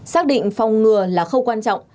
xác định phòng ngừa là khâu quan trọng